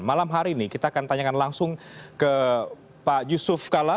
malam hari ini kita akan tanyakan langsung ke pak yusuf kala